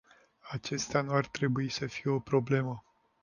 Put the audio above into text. Aceasta nu ar trebui să fie o problemă.